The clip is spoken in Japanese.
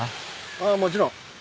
ああもちろん。